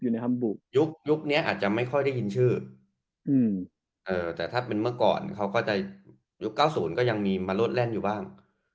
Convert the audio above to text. ยุคนี้อาจจะไม่ค่อยได้ยินชื่อแต่ถ้าเป็นเมื่อก่อนยุค๙๐ก็ยังมีมารถแร่นอยู่บ้าง